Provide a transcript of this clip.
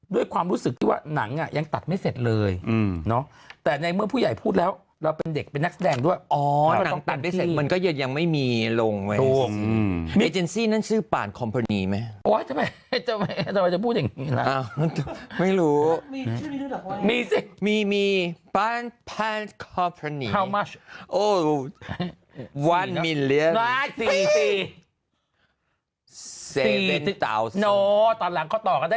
ด้วยความรู้สึกว่าหนังอะยังตัดไม่เสร็จเลยแต่ในเมื่อผู้ใหญ่พูดแล้วเราเป็นเด็กเป็นนักแสดงด้วยอ่อก็ยังไม่มีลงไว้อะไรจะพูดไม่รู้ไม่มีพึ่งมีมีมีแปลงมี